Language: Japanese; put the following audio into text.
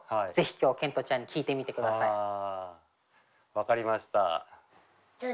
分かりました。